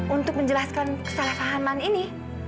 untuk menjelaskan kesalahpahaman ini